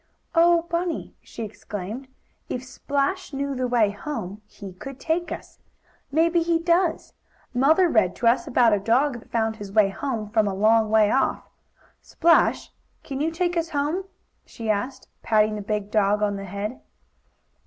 "Oh, Bunny!" she exclaimed, "if Splash knew the way home he could take us. Maybe he does. Mother read to us about a dog that found his way home from a long way off. Splash, can you take us home?" she asked, patting the big dog on the head.